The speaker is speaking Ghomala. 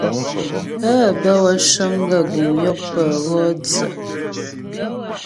Pə́ bə́ wə́ cəŋ gaə́ guŋ yɔkpə wɔ dzə.